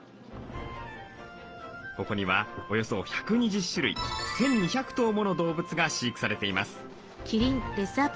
ここにはおよそ１２０種類１，２００頭もの動物が飼育されています。